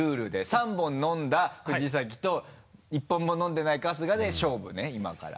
３本飲んだ藤崎と１本も飲んでない春日で勝負ね今から。